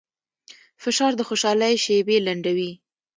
فشار د خوشحالۍ شېبې لنډوي.